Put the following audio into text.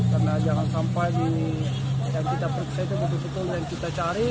karena jangan sampai yang kita periksa itu betul betul yang kita cari